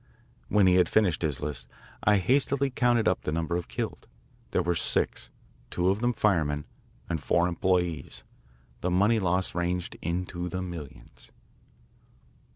When he had finished his list I hastily counted up the number of killed. There were six, two of them firemen, and four employees. The money loss ranged into the millions.